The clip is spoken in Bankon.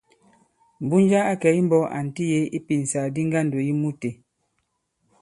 Mbunja a kɛ̀ imbɔ̄k ànti yě ipìnsàgàdi ŋgandò yi mû itē.